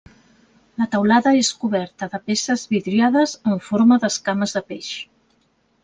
La teulada és coberta de peces vidriades en forma d'escames de peix.